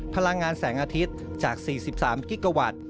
พลังงานแสงอาทิตย์จาก๔๓กิกาวัตต์